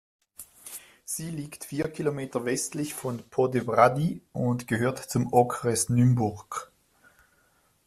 Sie liegt vier Kilometer westlich von Poděbrady und gehört zum Okres Nymburk.